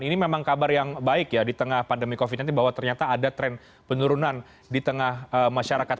ini memang kabar yang baik ya di tengah pandemi covid sembilan belas bahwa ternyata ada tren penurunan di tengah masyarakat